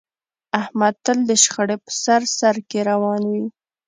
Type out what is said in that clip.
احمد تل د شخړې په سر سرکې روان وي.